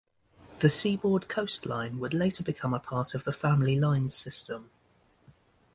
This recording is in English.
The Seaboard Coast Line would later become a part of the Family Lines System.